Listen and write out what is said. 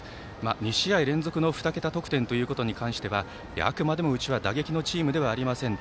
２試合連続の２桁得点ということに関してはあくまでも、うちは打撃のチームではありませんと。